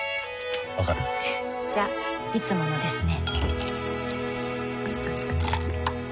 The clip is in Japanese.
わかる？じゃいつものですね